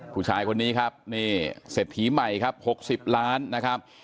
ผู้ชายคนนี้ครับนี่เศรษฐีใหม่ครับ๖๐ล้านนะครับ